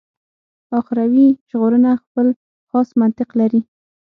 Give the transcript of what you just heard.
اخروي ژغورنه خپل خاص منطق لري.